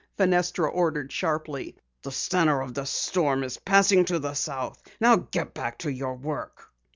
Fenestra ordered sharply. "The center of the storm is passing to the south. Now get back to your work!"